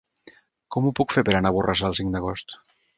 Com ho puc fer per anar a Borrassà el cinc d'agost?